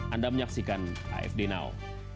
anda menyaksikan afd now